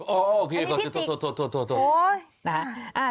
โอเคโทร